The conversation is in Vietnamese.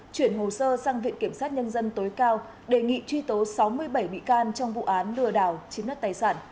chuyển hồ sơ sang viện kiểm sát nhân dân tối cao đề nghị truy tố sáu mươi bảy bị can trong vụ án lừa đảo chiếm đất tài sản